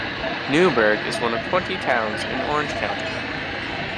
Newburgh is one of twenty towns in Orange County.